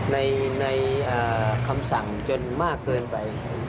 ในคำสั่งจนมากเกินไป